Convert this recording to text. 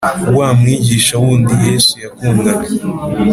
Wa mwigishwa wundi i yesu yakundaga